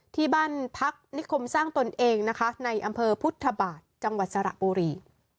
ที่บ้านพักนิคมสร้างตนเองนะคะในอำเภอพุทธบาทจังหวัดสระบุรี